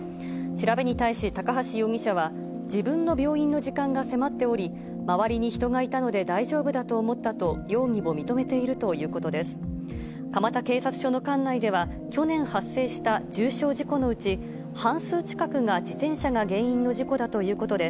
調べに対し高橋容疑者は、自分の病院の時間が迫っており、周りに人がいたので大丈夫だと思ったと、容疑を認めているということです。